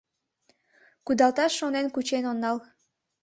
Кудалташ шонен кучен онал.